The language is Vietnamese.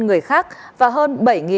người khác và hơn bảy ba trăm linh